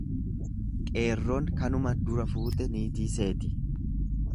Qeerroon kanuma dura fuute niitii seeti.